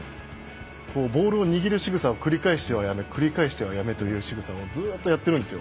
ボールを握るしぐさを繰り返してはやめてというしぐさをずっとやっているんですよ。